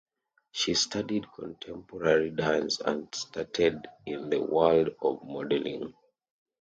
She studied contemporary dance and started in the world of modeling.